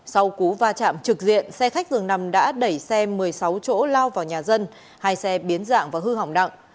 sau cú va chạm trực diện xe khách dường nằm đã đẩy xe một mươi sáu chỗ lao vào nhà dân hai xe biến dạng và hư hỏng nặng